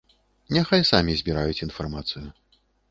Няхай самі збіраюць інфармацыю.